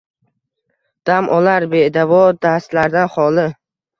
Dam olar bedavo dastlardan xoli.